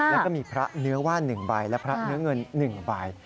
แล้วก็มีพระเนื้อว่าน๑ใบและพระเนื้อเงิน๑ใบ